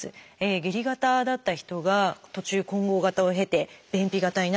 下痢型だった人が途中混合型を経て便秘型になる。